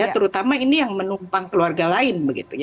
terutama ini yang menumpang keluarga lain